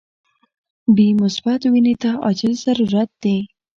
بی مثبت وینی ته عاجل ضرورت دي.